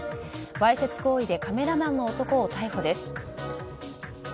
わいせつ行為でカメラマンの男を逮捕です。